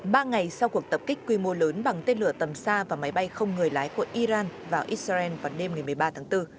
ba ngày sau cuộc tập kích quy mô lớn bằng tên lửa tầm xa và máy bay không người lái của iran vào israel vào đêm ngày một mươi ba tháng bốn